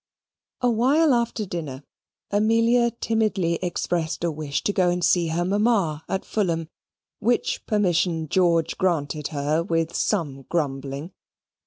A while after dinner, Amelia timidly expressed a wish to go and see her mamma, at Fulham: which permission George granted her with some grumbling.